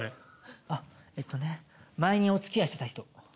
えっとね前にお付き合いしてた人。